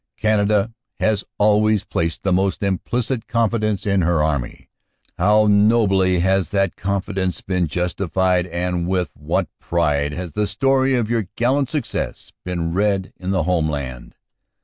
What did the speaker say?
"Canada has always placed the most implicit confidence in her Army. How nobly has that confidence been justified, and with what pride has the story of your gallant success been read in the homeland!